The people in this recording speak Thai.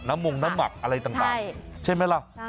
น้ำมงด์น้ำหมักด์อะไรต่างใช่ไหมล่ะ